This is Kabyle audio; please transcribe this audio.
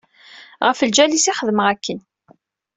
Ɣef lǧal-is i xedmeɣ akken.